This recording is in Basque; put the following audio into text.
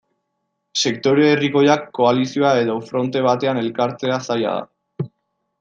Sektore herrikoiak koalizio edo fronte batean elkartzea zaila da.